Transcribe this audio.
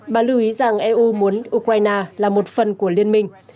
bà lưu ý rằng eu muốn ukraine là một phần của liên minh